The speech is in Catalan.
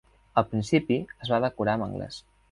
Al principi, es va decorar amb anglès.